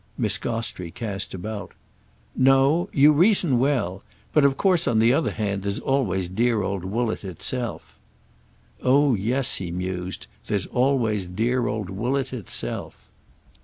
Miss Gostrey cast about. "No—you reason well! But of course on the other hand there's always dear old Woollett itself." "Oh yes," he mused—"there's always dear old Woollett itself."